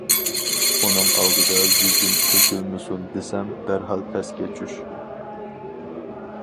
ئۇنىڭ ئالدىدا يۈزۈم تۆكۈلمىسۇن دېسەڭ دەرھال پەسكە چۈش!